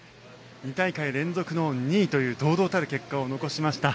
２大会連続の２位という堂々たる結果を残しました。